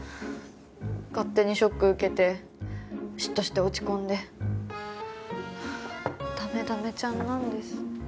勝手にショック受けて嫉妬して落ち込んでダメダメちゃんなんです